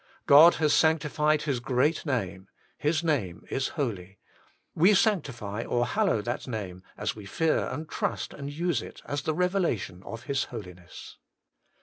God has sanctified His great name, His name is Holy : we sanctify or hallow that name as 52 HOLY IK CHEIST. we fear and trust and use it as the revelation of His Holiness.